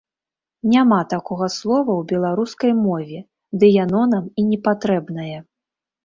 Няма такога слова ў беларускай мове, ды яно нам і непатрэбнае.